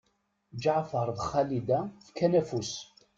Ǧeɛfer d Xalida fkan afus.